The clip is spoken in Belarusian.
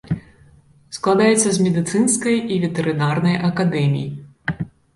Складаецца з медыцынскай і ветэрынарнай акадэмій.